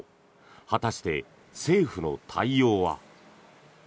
果たして、政府の対応は。